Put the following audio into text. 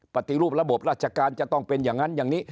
ปฏิรูประบบราชการจะต้องเป็นอย่างนั้นอย่างนี้